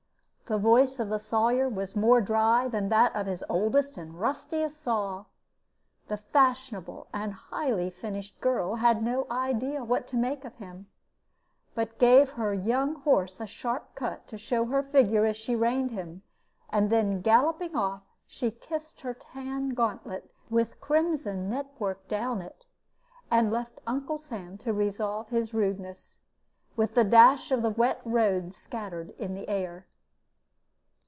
The voice of the Sawyer was more dry than that of his oldest and rustiest saw. The fashionable and highly finished girl had no idea what to make of him; but gave her young horse a sharp cut, to show her figure as she reined him; and then galloping off, she kissed her tan gauntlet with crimson net work down it, and left Uncle Sam to revolve his rudeness, with the dash of the wet road scattered in the air.